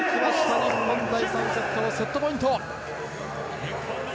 日本、第３セットのセットポイント！